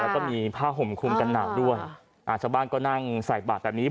แล้วก็มีผ้าห่มคุมกันหนาวด้วยอ่าชาวบ้านก็นั่งใส่บาทแบบนี้